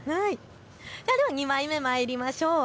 ２枚目、まいりましょう。